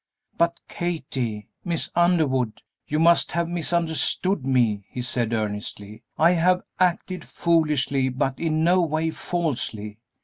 "But, Kathie Miss Underwood you must have misunderstood me," he said, earnestly. "I have acted foolishly, but in no way falsely.